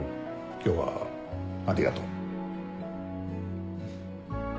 今日はありがとう。